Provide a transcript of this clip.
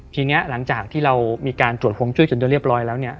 ทีนี้หลังจากที่เรามีการตรวจฮวงจุ้ยจนจะเรียบร้อยแล้วเนี่ย